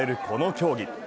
この競技。